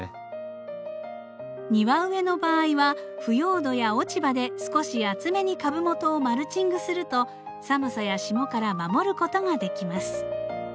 庭植えの場合は腐葉土や落ち葉で少し厚めに株元をマルチングすると寒さや霜から守ることができます。